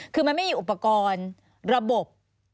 คือมันไม่มีอุปกรณ์ระบบ